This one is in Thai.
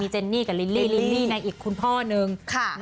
เจนนี่กับลิลลี่ลิลลี่ในอีกคุณพ่อนึง